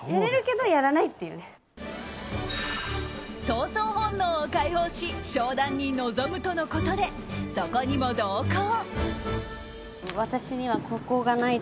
闘争本能を解放し商談に臨むとのことでそこにも同行。